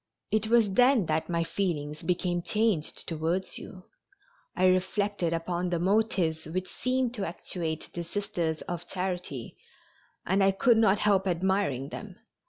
It was then that my feelings became changed towards you. I reflected upon the motives which seemed to actuate the Sisters of Charity and I could not help admiring them.